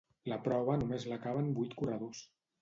La prova només l'acaben vuit corredors.